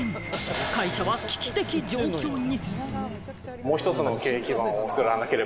会社は危機的状況に。